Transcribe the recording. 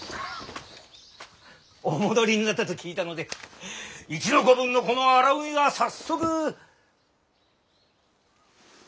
お戻りになったと聞いたので一の子分のこの荒海が早速。